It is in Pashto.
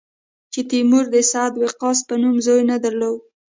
چې تیمور د سعد وقاص په نوم زوی نه درلود.